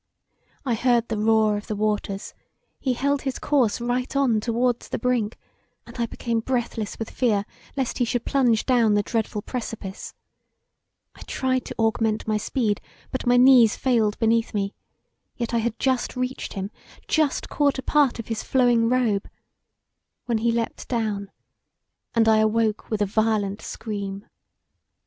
I heard the roar of the waters: he held his course right on towards the brink and I became breathless with fear lest he should plunge down the dreadful precipice; I tried to augment my speed, but my knees failed beneath me, yet I had just reached him; just caught a part of his flowing robe, when he leapt down and I awoke with a violent scream.